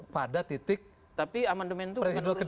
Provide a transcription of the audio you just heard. pada titik presiden kedua kali